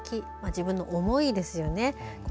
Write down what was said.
自分の思いですよね。